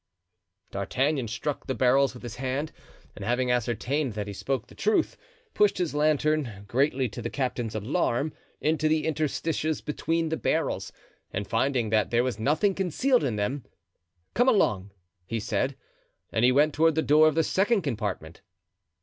D'Artagnan struck the barrels with his hand, and having ascertained that he spoke the truth, pushed his lantern, greatly to the captain's alarm, into the interstices between the barrels, and finding that there was nothing concealed in them: "Come along," he said; and he went toward the door of the second compartment.